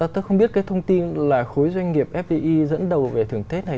tôi không biết cái thông tin là khối doanh nghiệp fdi dẫn đầu về thưởng tết này